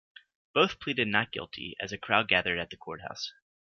Both pleaded not guilty, as a crowd gathered at the courthouse.